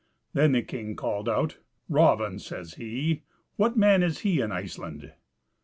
Then the king called out: "Raven," says he, "what man is he in Iceland?"